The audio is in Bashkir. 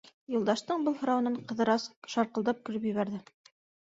Юлдаштың был һорауынан Ҡыҙырас шарҡылдап көлөп ебәрҙе.